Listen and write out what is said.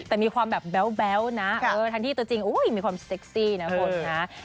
แต่มีความแบบแบ๊วนะทั้งที่ตัวจริงมีความเซ็กซี่นะคุณนะ